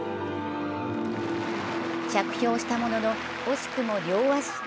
着氷したものの惜しくも両足。